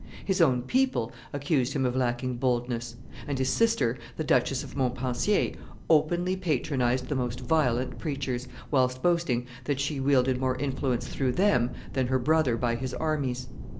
His own people accused him of lacking boldness; and his sister, the Duchess of Montpensier, openly patronized the most violent preachers, whilst boasting that she wielded more influence through them than her brother by his armies.